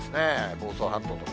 房総半島とか。